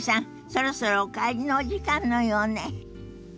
そろそろお帰りのお時間のようね。